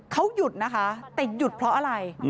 เขาหยุดนะคะแต่หยุดเพราะอะไร